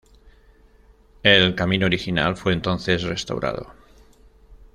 El camino original fue entonces restaurado.